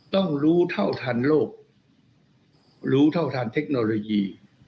ต้องรู้เท่าทันโลกรู้เท่าทันเทคโนโลยี